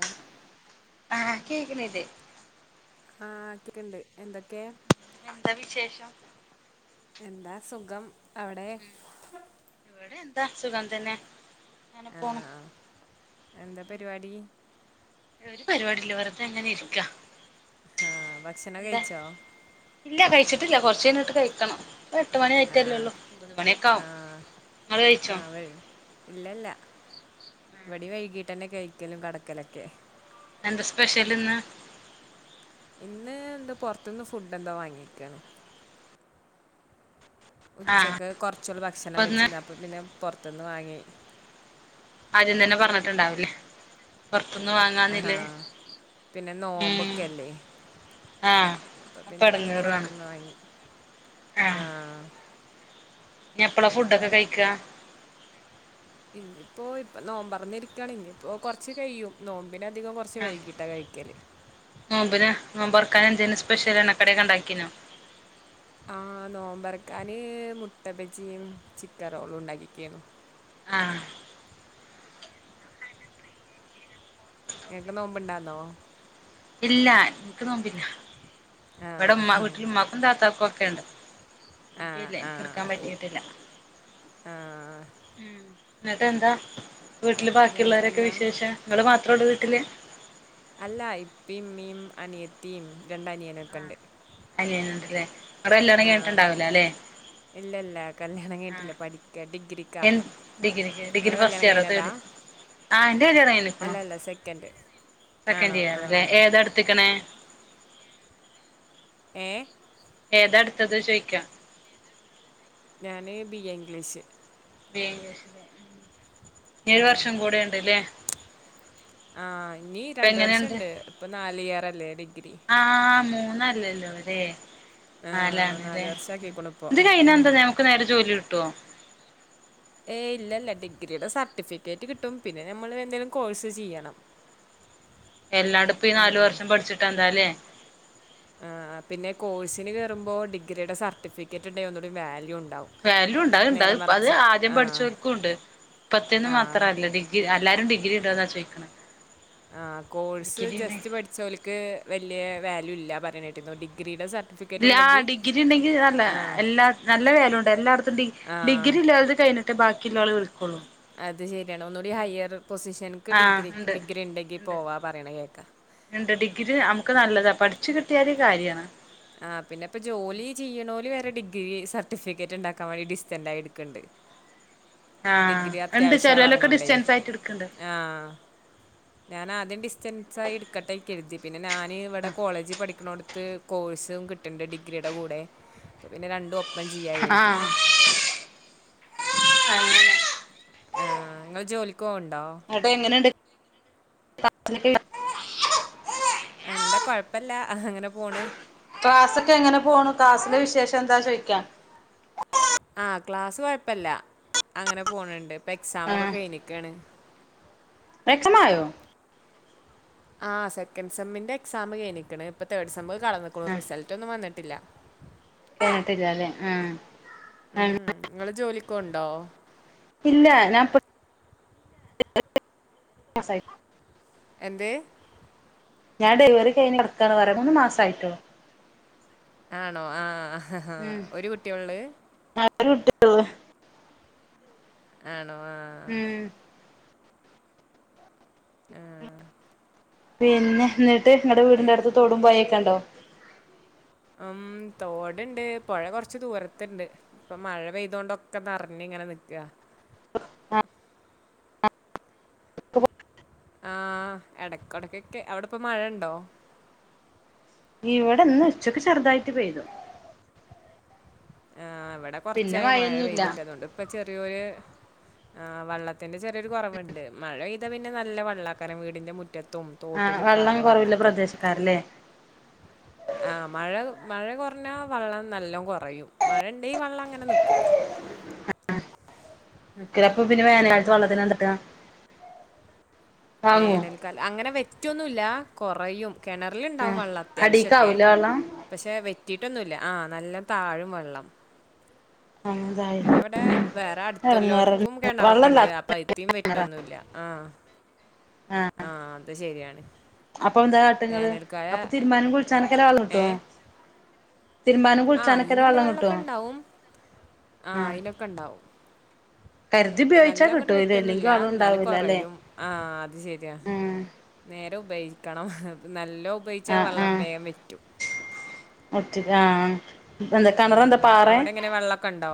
Hello ആ കേക്കണ് ണ്ട്. ആ ആക്കിട്ടുണ്ട്. എന്തൊക്കയാ? എന്താ വിശേഷം? എന്താ സുഖം. അവിടെ? സുഖംതന്നെ. ആ ആ ആ എന്താ പരിപാടി? ഒരു പരിപാടില്ല വെറുതെ ഇങ്ങനെ ഇരിക്കാ. ആ ഭക്ഷണം കഴിച്ചോ? ഇല്ല കഴിച്ചിട്ടില്ല. കൊറച്ച് കഴിഞ്ഞിട്ട് കഴിക്കണം. ഇപ്പ എട്ട് മണി ആയിട്ടല്ലേ ആഹ് ഉള്ളു. ആഹ് ആഹ് വൈ ഇല്ലല്ല ഇവിടി വൈകിട്ട് തന്നെ കഴിക്കലും കിടക്കലൊക്കെ. എന്താ സ്പെഷ്യൽ ഇന്ന്? പിന്നെ എന്താ പെറത്തുനിന്ന് ഫുഡ് എന്താ വാങ്ങിക്കാണ്. ആഹ് ഉച്ചക്ക് കുറച്ചൂള്ളുഭക്ഷണം അപ്പൊ ഇന്ന് വെച്ചില്ല അപ്പ പിന്നെ പുറത്തുന്ന് വാങ്ങി. ആദ്യം തന്നെ പറഞ്ഞിട്ടുണ്ടാവൂല്ലേ? പു ത്തുന്ന് ആഹാ വാങ്ങന്നില്ലേ? പിന്നെ ഉം ആഹ് അപ്പൊ പിന്നെ പുൊറത്തന്ന് വാങ്ങി ആഹ ഇ എപ്പളെ ഫുഡൊക്കെ കഴിക്കാ ഇനിയിപ്പോ ഇപ്പ നവം പററിന്ന ഇരിക്കാണ് ഇനിയിപ്പോ കൊറച്ച്ു കഴിയും ന പിന്നെ അധികം കുറച്ച് ആഹ് വൈകിട്ടാ കഴിക്കല് ആ ബൊർക്കാനൻ ജനുസ്പെഷ്യൽ എണ്ണക്കടക്ക ക ഉണ്ടാക്കിനോ ആഹ നോമ്പറക്കാന് മുട്ടപ്പച്ചിയും ചിക്കൻ റോളും ഉണ്ടാക്കിിക്കന്നു ആഹ നക്ക് നോമ്പണ്ടാന്നോ ഇല്ല എനിക്ക് തോമ്പില്ല ആ ഇവിടെ ഉമ്മാ വീട്ടില ഉമ്മാക്കും താത്താക്കാക്കും ഒക്കെയ ഉണ്ട് ആ എനിക്കല്ല ആ എനിക്ക്ിർക്കാൻ പറ്റിട്ടില്ല ആ ഉ എന്നക്ക എന്താ വീട്ടില് ബാക്കിയുള്ളവരൊക്കെ വേറെന്താ വിശേഷ നിങ്ങള് മാത്രേ ഉള്ളൂ വീട്ടില് അല്ല ഇപ്പമ്മീം അനിയത്തീയും രണ്ട അനിയനൊക്കെണ്ട് അല്ലന്നണ്ടല്ലേ ആഹ് ഇല്ല ഇല്ല കല്യാണം കേട്ടില്ല പഠിക്ക ഡിഗ്രി എ ഡിഗ്രി ഡിഗ്രി ഫസ്റ്റ് ഇയർ കഴിഞ്ഞതാ തേർഡ്ർ ആഹ എന്റെ കര്റങ്ങല്ല അല്ല ഇപ്പണോ അല്ല സെക്കൻഡ് സെക്കൻഡ് ആണോ ആ ഇയർല്ലേ ഏതടുത്തക്ക [unintelligible] ഏ ഏത അടുത്തത് ചോയിിക്കാം ഞാന് ബി എ ഇംഗ്ലീഷ് ഏഴ് ആഹ് വർഷം കൂടെ ഉണ്ട്ല്ലേ ആഹ് ഇനി ഇപ്പൊ രണ്ട വർഷം എങ്ങനെയുണ്ട് ഇണ്ട് ഇപ്പൊ നാല് ഇയർല്ലേ ഡിഗ്രി ആഹ് മൂന്നല്ലല്ലോ അതേ ആഹ് നാല് ആാലാണല്ലേ വർഷാക്കിക്ക്ണ് ഇപ്പോ ഇത് കഴിഞ്ഞ എന്താ ഉം നഞമക്ക് നേരെ ജോലി കിട്ടുവോ ഏ ഇല്ല ഇല്ല ഡിഗ്രിയുടെ സർട്ടിഫിക്കറ്റ് കിട്ടും പിന്നെ നമ്മള് എന്തെങ്കലും കോഴ്സ് ചെയ്യണം ഉ [unintelligible] എല്ലാണ്ട്പ്പ നാലു അങ്ങനെ വർഷം പഠിച്ചിട്ട് എന്താലേ വമ്പോ ഡിഗ്രിയുടെ സർട്ടിഫിക്കറ്റ് ഉ എന്നൊ ഒരു വാല്യു ഉണ്ട് വാല്യൂ ഇണ്ടാ ഇണ്ട അത് ആദ്യം ആഹ് പഠിച്ചവർക്കുംുണ്ട് ഇപ്പത്തേന്ന് ആഹ് മാത്രല്ല ഡിഗ്രി എല്ലാരും ഡിഗ്രി ഉണ്ടോന്നാ ചോദിക്കണ ആ കോഴ്സ് ജസ്റ്റ് പഠിച്ച പോലക്ക് വലിയ വാല്യൂ ഇല്ല പറയഞ്ഞിരുന്നു ഡിഗ്രിയുടെ സർട്ടിഫിക്കറ്റ് ആ ഉണ്ടെങ്കി ഡിഗ്രി ഉണ്ടെങ്കിൽ നല്ല ആഹ് എല്ലാ നല്ല വേലുണ്ട് എല്ലായിടത്തും ഡ ആഹ് ഡിഗ്രി ഇല്ലാ ക ത്തെ ബാക്കിയുള്ളളൾ വി അത് ശരിയാണ് ഒന്നുകൂടി ഹയർ പൊസിഷനക്ക് ആഹ് ഡിഗ്രി ഡിഗ്രി ഉണ്ടെങ്കി പോവാ പറയണ കേക്ക ഇണ്ട് ഡിഗ്രി നമുക്ക് നല്ലതാ പഠിച്ച് കിട്ടിയാല് കാര്യാണ് ആ പിന്നെ ഇപ്പ ജോലി ചെയ്യ്ണോല് വെ രെ ഡിഗ്രി സർട്ടിഫിക്കറ്റ് ഇണ്ടാക്കാൻ വേണ്ടി ഡിസ്റ്റന്റായി ട്ക്ക്ണ്ട് ആ ഇണ്ട് ചെലൊലൊക്കെ ഡിസ്റ്റൻസ് ആയിട്ട് ട്ക്ക്ണ്ട് ഞാൻ ആദ്യം ഡിസ്റ്റൻ സായി ഇട്ക്കട്ടൊ കരുതി പിന്നെ ഞന് ഇവിടെ കോളേജി പഠിക്ക്ണോട്ത്ത് കോഴ്സും കിട്ട്ണ്ട് ഡിഗ്രിയുടെ കൂടെ പ്പൊ പിന്നെ രണ്ടു ഒ പ്പം ചെയ്യാ കര്തി ആഹ് അങ്ങനെ ആ ഇങ്ങള് ജോലിക്കോ ആട്ടെ എങ്ങനെണ്ട് [unintelligible] എന്താ കൊഴപ്പല്ല അങ്ങനെ പോണ് ക്ലാസൊക്കെ എങ്ങനെ പോണു ക്ലാസ്സിലെ വിശേഷം എന്താ ചോയിക്കാ ആ ക്ലാസ്സ് കൊഴപ്പല്ല അങ്ങനെ പോണ് ണ്ട് ഇപ്പൊ എക്സാമൊക്കെ ആഹ് കഴ്ഞ്ഞക്കാണ് എക്സമായോ ആ സെക്കൻഡ് സമ്മിന്റെ എക്സാം കയിഞ്ഞ്ക്ക്ണ് ഇപ്പ തേർഡ് സെം കടന്ന് ക്ണു റിസൾട്ടൊന്നും വന്നിട്ട് ട്ടില്ല കയിഞ്ഞിട്ടില്ലല്ലേ ആ [unintelligible] കൊണ്ടോ ഇല്ല ഞാപ്പം [inaudible] സായി എന്തെ ഞാൻ ഡെലിവറി കഴിഞ്ഞ് കെടക്കാണ് റയാ മൂന്ന് മാസായിട്ടോള്ളു ആണോ ആ ഒരു കുട്ടിയൊള്ള് ഒര്കുട്ടി [unintelligible] ആൺ മ് ആ പിന്നെ ന്നട്ട് ഇങ്ങടെ വീടിന്റെ അടുത്ത് തോടും പോയക്കെ ണ്ടോ ഉം തോട്ണ്ട് പെഴ കൊറച്ച് ദൂരത്ത്ണ്ട് ഇപ്പൊ മഴ പെയ്തോണ്ട് ഒക്കെ നറഞ്ഞ് ഇങ്ങനെ നിക്കാ ആ ആ എടക്കടക്കൊക്കെ അവിടെ ഇപ്പോ മഴണ്ടോ? ഇവിടെന്ന് ഉച്ചക്ക് ചെറുതായിട്ട് പെയ്തു. ആ ഇവടെ പിന്നെ കൊറച്ചായി മഴ മഴയൊന്നുല്ല പെയ്ത്ട്ട് അതുകൊണ്ട് പ്പൊ ചെറിയൊര് ആ വള്ളത്തിന്റെ ചെറിയൊരു കുറവ്ണ്ട് മഴ പെയ്താ പിന്നെ നല്ല വള്ളാക്കാരം വീടിന്റെ മു റ്റത്തും ആഹ് തോട്ടിലൊക്കെ വെള്ളം ആകെ കൊറവില്ല വെള്ളാക്കാരം പ്രദേശക്കാരല്ലേ ആ മഴ മഴ കുറഞ്ഞാ വള്ളം നല്ലോ കുറയും മഴ ഇണ്ടെയ് വള്ളം അങ്ങനെ നിക്കും. ആ [unintelligible] വേനൽ കാലത്ത് വള്ളത്തിന് എന്താ ട്ടാ വേനൽക്കാല അങ്ങനെ വെറ്റൊന്നുല്ല കൊറയും. കിണറ്ല്ണ്ടാവും ആഹ് വള്ളം അത്യാവശ്യൊക്കെ അടീക്കാവൂലേ വെള്ളം പക്ഷെ വെ റ്റീട്ടൊന്നുല്ല ആ നല്ല താഴും വള്ളം. അങ്ങനെതായി പിന്നെ ഇവിടെ വേറെ എടങ്ങേറ് അടുത്തുളേളാര്ക്കും കിണറൊക്കെ വള്ളല്ല ഉണ്ട് അപ്പൊ അയി തിം വെട്ടൊന്നുല്ല ആ ആഹ് ആ അത് ശരിയാണ്. അപ്പൊ എന്താ കാട്ടങ്ങള് വേനൽക്കാല അപ്പൊ തിരുമ്പാനും കുളിച്ചാനൊകെള്ള വളളം ഏ കിട്ടോ? തിരുമ്പാനും ആ കുളിച്ചാനൊക്കെ അയിന് ല്ലെ വെള്ളം കിട്ടോ വെള്ളെക്കെ ഇണ്ടാവും ആ ആഹ് അയിനൊക്കെ ഇണ്ടാവും. കരുതി നല്ല ഉപയോഗിച്ചാ അങ്ങട്ട് കിട്ടൂലേ ഇല്ലെങ്കി വറ്റൊന്നുല്ല വെള്ളം ന്നാലും ഉണ്ടാവൂല അല്ലേ കുറയും ആ അത് ശരിയാ ആഹ് നേരെ ഉപയിക്കണം നല്ലോ ഉപയോഗിച്ചാ വള്ളം വേ വറ്റും. വറ്റു ആ ഉം അവിടെ എങ്ങനെ വെള്ളൊക്കെ ണ്ടോ?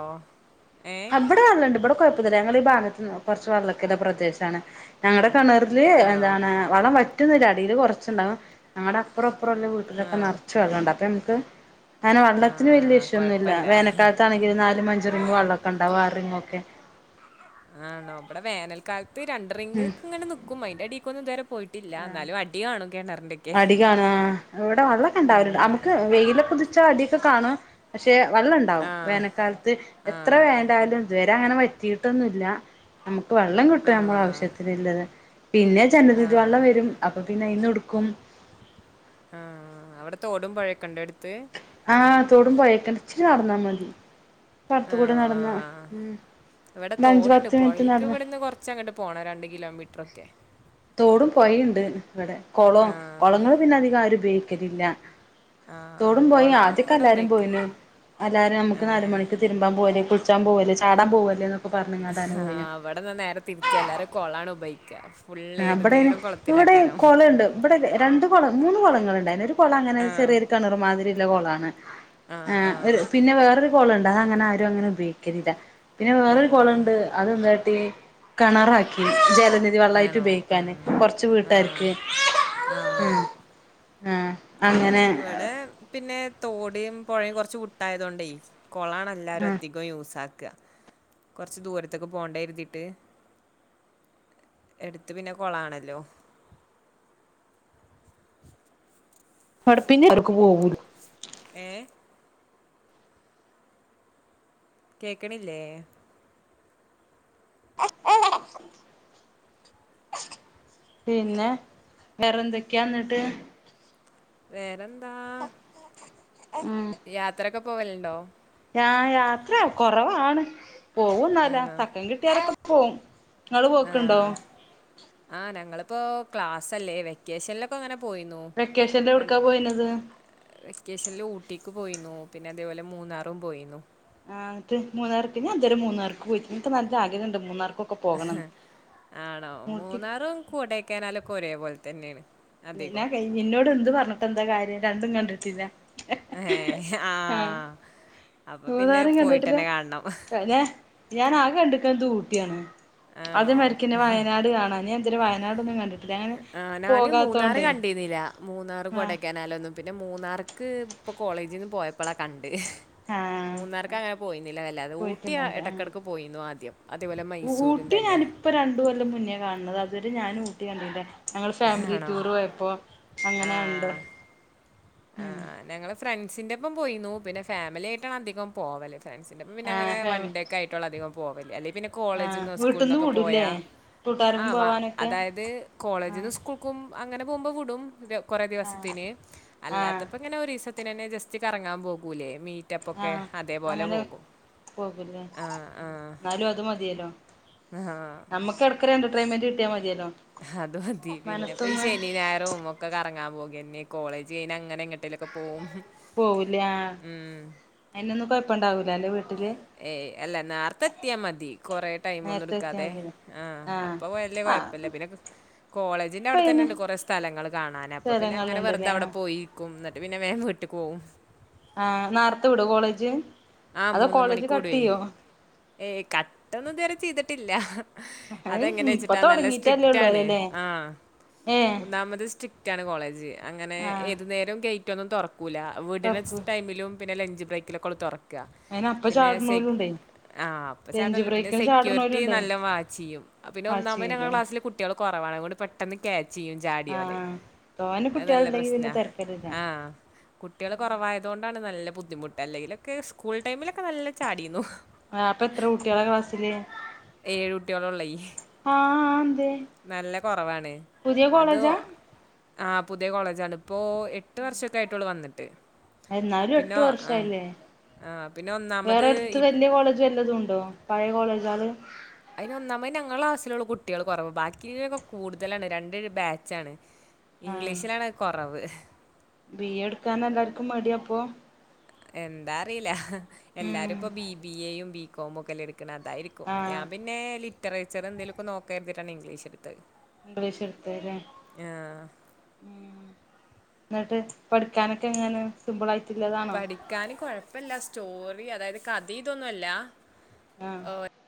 ആ ഇവടെ വള്ളണ്ട് ഇമ്പടെ കൊഴപ്പൊന്നുല്ല ഞങ്ങളെ ഈ ഭാഗത്ത് കുറച്ച് വള്ളൊ ക്കെള്ള പ്രദേശാണ് ഞങ്ങടെ കിണറില് ആണോ എന്താണ് വളം വറ്റുന്നില്ല അടീൽ കുറച്ണ്ടാവും ഞങ്ങളുടെ അപ്പുറ അപ്പറംല്ലാം ആ വീട്ടിലൊക്കെ നിറച്ച് വെള്ളണ്ട് അപ്പ നമുക്ക് അങ്ങെനെ ആ വള്ളത്തിന് വല്യയ വിഷയൊന്നുല്ല കുഴപ്പമില്ല വേനക്കാലത്താണെങ്കിലും നാലും അഞ്ചുറിങ്ങ് വള്ളം [unintelligible] ആണോ അവിടെ വേനൽക്കാലത്ത് രണ്ടറ്ങ്ങ് ഇങ്ങനെ നിക്കും അതിന്റെ അടിക്ക് ഇതുവരെ പോയിട്ടി ആ അടികാണ് ആ ഇവിടെ വെള്ളം കെണ്ടാവല ഉം. നമുക്ക് വെയിലൊക്കെ അടിയൊക്കെ കാണും പക്ഷെ വള്ളം ഇണ്ടാവും ആ വേനക്കാലത്ത് ആ എത്ര ആ വേനലായാലും ഇ ഇ അങ്ങനെ വറ്റിയിട്ടൊന്നുല്ല നമുക്ക് വെള്ളം കിട്ടും നമ്മെള ആഹ്. ആവശ്യത്തിനിള്ള പിന്നെ ജനനിധി വള്ളം ആഹ് വരും അപ്പൊ പിന്നെ ആയി നിടുക്കും. ആ അവിടെ തോടും പൊ പഴയൊക്കെണ്ട് അടുത്ത്. ആഹ തോടും പൊയ കെണ്ട് ഇച്ചിരി നടന്നാ മതി പടത്തുകൂടെ ആണോ നടന്നാ ആഹ്. ഉം ഇവിടെ ഒരു അഞ്ച് തോടുണ്ട് പത്ത് മിനിറ്റ് പുഴേക്ക് നടന്നാ ഇവിടുന്ന് കൊറച്ച് അങ്ങോട്ട് പോണം രണ്ട് കിലോമീറ്ററൊക്കെ. തോടും പൊഴിണ്ട് ഇവിടെ കൊളം ആഹ് കൊളങ്ങള് പിന്നെ അധികം ആരും ഉപയോഗിക്കലില്ല. ആഹ് തോടും പൊയിം കൊളം ആദ്യ ക്കൊ ഇവിടെ എല്ലാരും ഉപയോഗിക്കും. പോയിന് എല്ലാരും നമുക്ക് നാല ഏഹ് മണിക്ക് തിരുമ്പാൻ പോവല് കുളിച്ചാൻ പോവല്ലേ ചാടാൻ പോവല്ലേ പറഞ്ഞ്ങ്ങാണ്ടാണ് ആ പോയിനു വടെ ന്നാ ന്നേരെ തിര്ച്ചാ എല്ലാരും കൊളാണ് ഉപയ് ആ ബടയ്ന് ഇവിടെ കൊളണ്ട് ഇബടെ രണ്ട് കൊളം മൂന്ന് കൊളങ്ങൾ ഉണ്ടയിന്ന് ഒര് കൊളം അങ്ങനെ ചാ ആഹ് പ്പെ ര് ക്കെണറ് മാതിരി ല്ല കൊളാണ് ആഹ് ആ ആഹ് ഒര് പിന്നെ വേറൊരു കോളണ്ട് അഅങ്ങനെ ആരും അങ്ങനെ ഉപയോഗിക്കല് ല്ല പിന്നെ വേറൊര് കൊളംണ്ട് അതെന്താട്ടീ കെണറാക്കി ജലനിധ വെള്ളായി ആണോ റ്റുപയോഗിക്കാന് ആഹ് കൊർച്ച് ആഹ് വീട്ടാര്ക്ക് മ് ആ ഇവടെ പിന്നെ തോടേം പൊഴിം കൊർച്ച് വിട്ടായതോണ്ടെ കൊളാണ് എല്ലാരും അധികം യൂസാക് ക്ക്അ കൊർച്ച് ദൂരത്ത്ക്ക് പോണ്ടേ ര്തീട്ട് എട്ത്ത് പിന്നെ കൊളാണല്ലോ ന്നടപ്പിന്ന് ഒറ്റക്ക് പോകൂല്ല്യ ഏ കേക്ക്ണില്ലേ? [inaudible] പിന്നെ വേറെന്തൊക്കാ ന്നട്ട് വേറെന്താ യാത്രൊക്കെ പോവല് ണ്ടോ? ഞാ യാത്ര കൊറവാണ് പോവും ന്നാലാ ആണോ തക്കം കിട്ടിയാലൊക്കെ പോഉം ഞള് പോക്ക്ണ്ടോ? പ്പോ ക്ലാസ്സ് അല്ലേ വെക്കേഷൻലൊക്കെ ങ്ങനെ പ് വെക്കേഷൻല് ഒട്ക്കാ പോയിനത്? വക്കേഷൻല് ഊട്ടിക്ക് പോയിന്നു. പിന്നെ അതേപോലെ മൂന്നാറും പോയിന്നു. ആത് മൂന്നാറ്ക്ക് ഞാ ത് രേ മൂന്നാറ്ക്ക് പോയിട്ടി ഇൻക്ക് ന്നല്ല ആഗ്രഹണ്ട് മൂന്നാർക്ക് ആണോ മൂത്തി മൂന്നാറും കൊടയ്ക്കനാലൊക്കെ ഒരേ പോലെ തന്നെണ് പിന്നെ ഇന്നോട് എന്ത് പറഞ്ഞിട്ടെഎന്താ കാര്യം രണ്ടും കണ്ടിട്ടില്ല ഏഹ് ആ ആഹ്. അപ്പൊ പിന്നെ മൂന്നാറും കണ്ടിട്ടില്ല പോയിട്ടന്നെ കാണണം. അ നേ ഞാൻ ആക കണ്ട്ക്ക്ണത് ഊട്ടിആണ് അത് ആണോ? മരിക്ക്ന്നെ വയനാട് കാണാ ഞാൻ ഇതെരേ വയനാടൊന്നും കണ്ടിട്ടില്ല ആം പോകാ ന്നാറ് കണ്ടീന്നീല്ല മൂന്നാറും കൊടയ്ക്കനാലൊന്നും പിന്നെ മൂന്നാറ്ക്ക് ഇപ്പം കോളേജിന്ന് പോയപ്പളാ കൺ ആഹ് മൂന്നാർക്ക് അങ്ങനെ പോയിന്നില്ല വല്ലാതെ ഊട്ടി പോയിട്ടുണ്ടായില്ല ആഹ് എടക്ക്ടക്ക്പോയിന്നു ആദ്യം അതേ പോലെ മൈസൂര് ട്ടി ഞാനിപ്പ രണ്ടു കൊല്ലം മുന്നേ കാണ്ന്നത് അതുരെ ഞാനും ഊട്ടി കണ്ടില്ല ഞങ്ങള് ഫേമിലി ആണോ? ടൂറ് പോയപ്പോ അങ്ങനെ കണ്ടാ ആഹ്. ആ ഞങ്ങള് ഫ്രൻസിന്റെ ഒപ്പം പോയിന്നു പിന്നെ ഫാമിലി ആയിട്ടാണ് അധികം പോവല് ഫ്രൻസിന്റൊപ്പം പിന്നെ ആഹ് അങ്ങനെ ഫാമി വണ്ടി ഒക്കെ ആയിട്ടുള്ള അധികം പോകല് അല്ലെ പിന്നെ ആഹ് കോളജ്ന്നോ വീട്ടിന്ന് സ്കൂൾന്നൊക്കെ വിടൂല്ലേ പോയാ ആ കൂട്ടാർക്കും വ പോവാനൊക്കെ അതായത് ആഹ് കോളേജ്ന്ന് സ്കൂൾക്കും അങ്ങനെ പോഉമ്പോ വിടും ദെ കൊറേ ആഹ് ദിവസത്തിന് ആഹ് അല്ലാത്തപ്പ ങ്ങനെ ഒരിസ് സത്തിനെന്നെ ജെസ്റ്റ് കറങ്ങാം പോകൂലേ മീ ആഅങ്ങനെ പോകും ലേ ആ ആ ന്നാലും അത് മതിഎല്ലോ ആ ന്നമ്മക്ക് എടക്ക് ഒര് എന്റർടൈൻമെന്റ് കിട്ടിയമതിയല്ലോ അത് മതി പിന്നെപ്പെ ഇ ശെനി ഞായറും ഒക്കെ കർ റങ്ങാം പോക്ന്നെ കോളേജ് അഴ്ഞ്ഞാ ങ്ങനെ എങ്ങട്ടേലൊക്കെ പോവും പോ വുലാ അയ്നൊന്നും കൊഴപ്പം ണ്ടാഊല അൻ്റ വീട്ട് ഏയ് അല്ല നേർത്ത എത്തിആ മതി കൊറെ ടൈമൊന്നും നേരത്തെ എത്തിയാൽ ഇട്ക്കാതെ മതിയല്ലോ ആ ആഹ് അപ്പ കൊയ് ല്ല്യ ആഹ് കൊഴ്പ്പല്ല്യ പിന്നെ കോളേജിന്റെ ഇപ്പ അവ്ട തന്നെ അയിന് ണ്ട് കൊറേ സ്ഥലങ്ങള് കാണാന് അപ്പ പിന്ന അങനെ വെർതെ സ്ഥലങ്ങളുണ്ടല്ലേ അവ്ടെ ആഹ് പോയ് ന്നിൽക്കും ന്നട്ട് പിന്നെ വേം വിട്ട്ക്ക് പോഉം ആ ന്നാർത്തെ വിടോ കോളേജ്? ആ അതോ മൂന്ന് കോളേജ് മണിക്ക് കട്ട് വിടുഎ ചെയ്യോ ഏയ് കട്ടൊന്നും ഇതുരെ ചെയ്തിട്ടില്ല അത് അതെങ്ങനെ ഇപ്പൊ എച്ചിട്ടാ ന്നല്ല തുടങ്ങിട്ടല്ലേ സ്ട്രിക്റ്റ് ഉള്ളൂ ആണ് അതല്ലേ ആ ഏഹ് ഒന്നാമത് സ്ട്രി റ്റാണ് കോളേജ് അങ്ങനെ ആഹ് ഏതു ന്നേരും ഗെയ്റ്റൊന്നും തൊർക്കൂല വിട്ണ തുറക്കൂ സ് ടൈമിലും പിന്നെ ലഞ്ച് ബ്രേക്കെലൊകെ തുറക്ക് അയിന അപ്പ ചാട നോരുണ്ടേ ആഹ് അപ്പ ചാട്ല്ലോ പിന്നെ സെക്യൂരിറ്റി നല്ല വാച്ച് ചെയ്യും പിന്നെ ഒന്നാമത് വാശിയില്ലേ ഞങ്ങളുടെ ക്ലാസ്സില് കുട്ടികൾ കുറ പ്വാ [unintelligible] ണക കൊണ്ട് പെട്ടെന്ന് കാക്ച്ച ചെയ്യും ചാടിയോല് ആഹ് തോനെ അത് നല്ല കുട്ടികളുണ്ടെങ്കി പിന്നെ പ്രശ്നാ തെരക്കടില്ല ആഹ കുട്ടികള് കുറവായത കൊണ്ടാണ് നല്ല ബുദ്ധിമുട്ട് അല്ലെങ്കിലൊക്കെ സ്കൂൾ ടൈമിലൊക്കെ നല്ല ചാടിന്നു ആ അപ്പൊ എത്ര കുട്ടികള ക്ലാസില് ഏഴ് കുട്ടികളുള്ളേ. ആ എന്തെ നല്ല കുറവാണ് അത് ആ പുതിയ കോളേജാണ് ഇപ്പോഎട്ട് വർഷമൊക്കെ ആയിട്ടോുള്ള വന്നിട്ട് എന്നാലും പിന്നെ എട്ടു വർഷ ആ. അയില്ലേ ആ പിന്നെ വേറെ ഒന്നാമത് അടുത്ത് ഇപ് വലിയ കോളേജ് വല്ലതും ഉണ്ടോ പഴയ കോളേജാള് അതിനന്നാമ ഞങ്ങള ക്ലാസ്സിലുള്ള കുട്ടികൾ കുറവ് ബാക്കിക്കെ കൂടുതലാണ് രണ്ട് ബാച്ചാണ് ആഹ് ഇംഗ്ലീഷിലാണ് കുറവ് ബി എ. എടുക്കാൻ എല്ലാർക്കും മടിയ അപ്പൊ എന്താ അറിയില്ല എല്ലാരും ഉം ഇപ്പ ബി ബി എയും ബികോമും ഒക്കെല്ല എടുക്കു അതായിരിക്കും ഞാ ആഹ് പിന്ന ലിറ്ററേച്ചർ എന്തേലുമുംക്കെ നോക്ക എരുതിട്ടാണ് ഇംഗ്ലീഷ് എടുത്തത് ഇംഗ്ലീഷ് എടുത്തത് ആഹ്. ലെഎന്നിട്ട് പഠിക്കാനൊക്കെങ്ങനെ സിമ്പിളായിട്ട് പഠിക്കാന് കൊഴപ്പില്ല സ്റ്റോറി അതായത് കഥ ഇതൊന്നുല്ല ആഹ